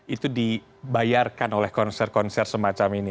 itu dibayarkan oleh konser konser semacam ini